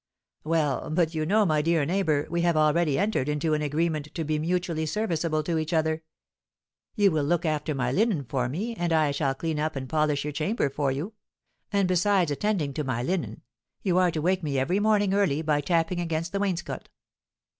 "Well, but you know, my dear neighbour, we have already entered into an agreement to be mutually serviceable to each other; you will look after my linen for me, and I shall clean up and polish your chamber for you; and besides attending to my linen, you are to wake me every morning early by tapping against the wainscot."